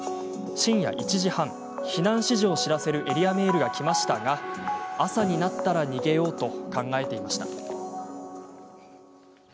深夜１時半、避難指示を知らせるエリアメールがきましたが朝になったら逃げようと考えていました。